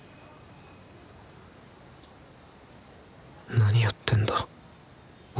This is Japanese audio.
何やってんだ俺。